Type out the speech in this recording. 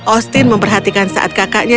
austin memperhatikan saat kakaknya